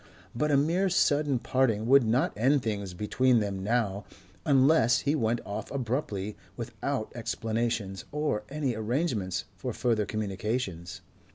But a mere sudden parting would not end things between them now unless he went off abruptly without explanations or any arrangements for further communications.